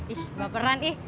ih baperan ih